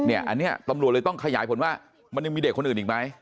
อันนี้ตำรวจเลยต้องขยายผลว่ามันยังมีเด็กคนอื่นอีกไหม